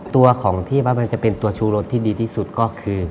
ตัวของที่ว่ามันจะเป็นตัวชูรสที่ดีที่สุดก็คือ